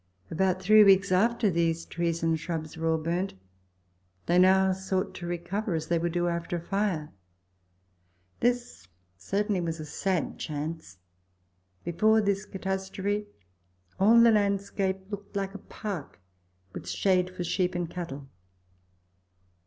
About three weeks after these trees and shrubs were all burnt, they now sought to recover as they would do after a fire. This certainly was a sad chance ; before this catastrophe all the landscape looked like a park with shade for sheep and cattle.